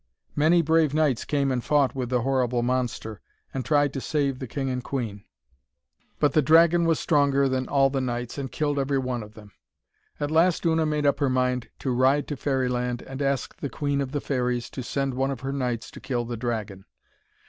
Many brave knights came and fought with the horrible monster and tried to save the king and queen. But the dragon was stronger than all the knights, and killed every one of them. At last Una made up her mind to ride to Fairyland and ask the Queen of the Fairies to send one of her knights to kill the dragon.